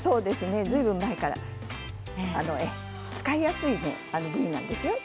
ずいぶん前から使いやすい部位なんですね。